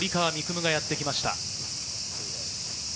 夢がやってきました。